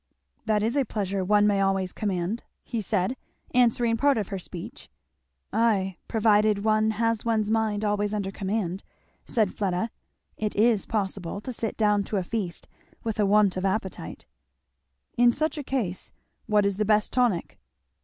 "That is a pleasure one may always command," he said, answering part of her speech. "Ay, provided one has one's mind always under command," said Fleda. "It is possible to sit down to a feast with a want of appetite." "In such a case, what is the best tonic?"